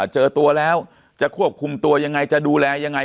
เจอตัวแล้วจะควบคุมตัวยังไงจะดูแลยังไง